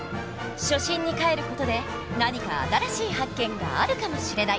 初心にかえる事で何か新しい発見があるかもしれない！